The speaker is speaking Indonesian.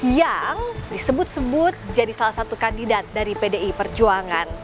yang disebut sebut jadi salah satu kandidat dari pdi perjuangan